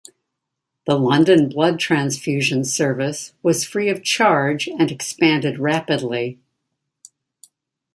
The London Blood Transfusion Service was free of charge and expanded rapidly.